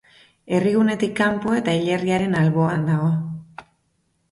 Herrigunetik kanpo eta hilerriaren alboan dago.